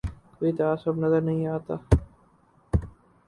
کوئی تعصب نظر نہیں آتا